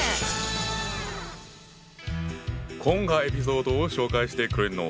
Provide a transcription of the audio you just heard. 今回エピソードを紹介してくれるのは。